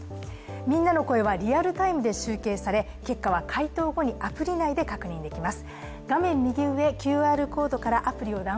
みんなの声はリアルタイムで集計され結果は回答後にアプリ内で確認できます。